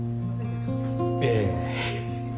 ええ。